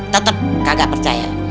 tetep kagak percaya